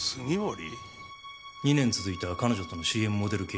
２年続いた彼女とのＣＭモデル契約